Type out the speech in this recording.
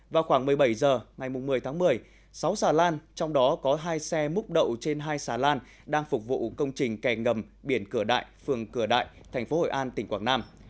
vào khoảng một mươi bảy h ngày một mươi tháng một mươi sáu xà lan trong đó có hai xe múc đậu trên hai xà lan đang phục vụ công trình kè ngầm biển cửa đại phường cửa đại thành phố hội an tỉnh quảng nam